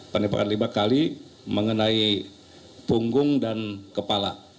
penembakan lima kali mengenai punggung dan kepala